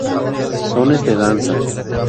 Sones de danza.